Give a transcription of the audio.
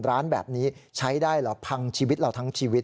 ร้านแบบนี้ใช้ได้เหรอพังชีวิตเราทั้งชีวิต